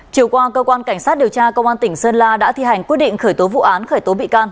chiều qua cơ quan cảnh sát điều tra công an tỉnh sơn la đã thi hành quyết định khởi tố vụ án khởi tố bị can